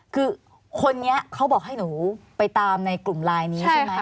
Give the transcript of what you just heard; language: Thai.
คือคนนี้เขาบอกให้หนูไปตามในกลุ่มไลน์นี้ใช่ไหม